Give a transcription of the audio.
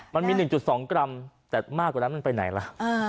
มันมี๑๒กรัมแต่มากกว่านั้นมันไปไหนล่ะ